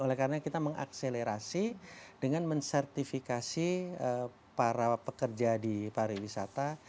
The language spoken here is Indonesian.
oleh karena kita mengakselerasi dengan mensertifikasi para pekerja di pariwisata